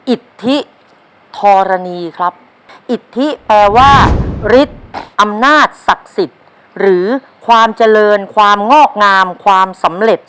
อิทธิธรณีครับอิทธิแปลว่าฤทธิ์อำนาจศักดิ์สิทธิ์หรือความเจริญความงอกงามความสำเร็จ